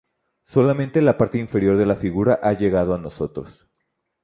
Solamente la parte inferior de la figura ha llegado a nosotros.